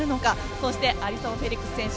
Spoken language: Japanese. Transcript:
そしてアリソン・フェリックス選手